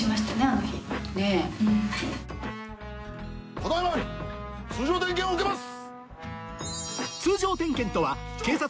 ただ今より通常点検を受けます！